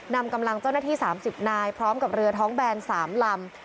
นำกำลังเจ้าหน้าที่๓๐นายพร้อมกับเรือท้องแบน๓ลำ